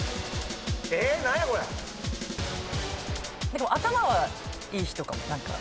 でも頭はいい人かも。